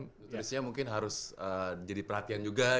nutrisinya mungkin harus jadi perhatian juga gitu kan